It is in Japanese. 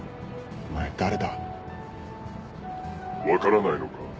お前誰だ？分からないのか？